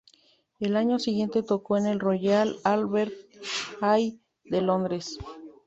Al año siguiente tocó en el Royal Albert Hall de Londres.